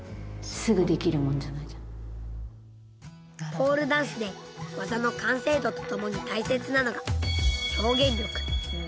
ポールダンスで技の完成度とともに大切なのが表現力。